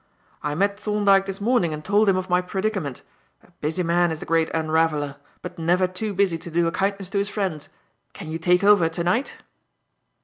"I met Thorndyke this morning and told him of my predicament. A busy man is the Great Unraveller, but never too busy to do a kindness to his friends. Can you take over to night?"